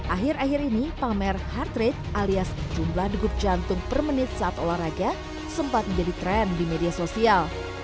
akhir akhir ini pamer heart rate alias jumlah degup jantung per menit saat olahraga sempat menjadi tren di media sosial